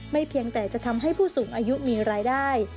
เพียงแต่จะทำให้ผู้สูงอายุมีรายได้